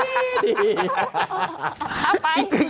พร้าพไป